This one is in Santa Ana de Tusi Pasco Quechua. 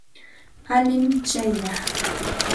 Alin tsayqa.